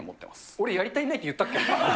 俺、やり足りないって言ったっけ？